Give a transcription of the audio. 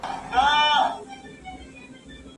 زه اوس لوبه کوم؟